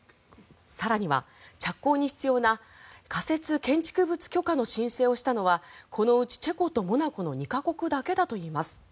更には着工に必要な仮設建築物許可の申請をしたのはこのうちチェコとモナコの２か国だけだといいます。